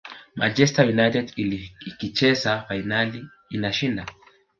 manchester united ikicheza fainali inashinda